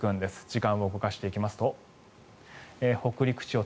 時間を動かしていきますと北陸地方